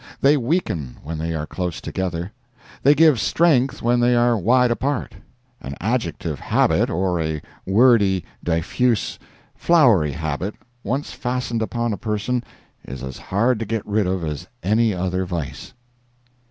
They weaken when they are close together. They give strength when they are wide apart. An adjective habit, or a wordy, diffuse, flowery habit, once fastened upon a person, is as hard to get rid of as any other vice.